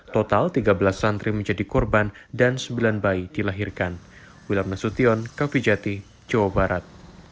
total tiga belas santri menjadi korban dan sembilan bayi dilahirkan wilam nasution kavijati jawa barat